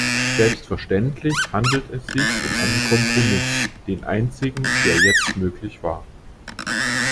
Selbstverständlich handelt es sich um einen Kompromiss, den einzigen, der jetzt möglich war.